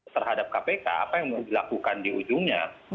terhadap kpk apa yang mau dilakukan di ujungnya